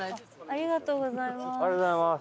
ありがとうございます。